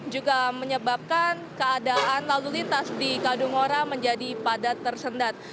juga menyebabkan keadaan lalu lintas di kaldungora menjadi padat tersendat